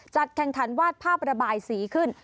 แข่งขันวาดภาพระบายสีขึ้น